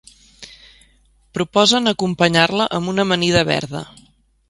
Proposen acompanyar-la amb una amanida verda.